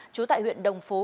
trú tại huyện đồng phú